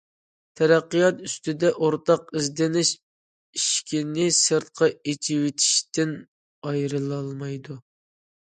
تەرەققىيات ئۈستىدە ئورتاق ئىزدىنىش ئىشىكنى سىرتقا ئېچىۋېتىشتىن ئايرىلالمايدۇ.